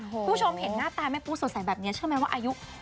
คุณผู้ชมเห็นหน้าตาแม่ปูสดใสแบบนี้เชื่อไหมว่าอายุ